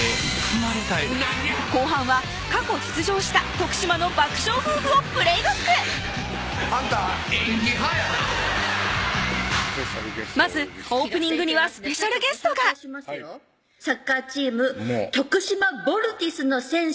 なんや後半は過去出場した徳島の爆笑夫婦をプレーバックあんた演技派やなまずオープニングにはスペシャルゲストがサッカーチーム・徳島ヴォルティスの選手